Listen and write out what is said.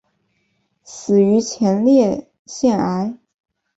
死于前列腺癌。